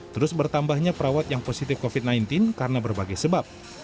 terus bertambahnya perawat yang positif covid sembilan belas karena berbagai sebab